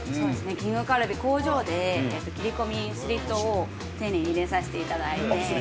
◆きんぐカルビ、工場で切り込み、スリットを丁寧に入れさせていただいて。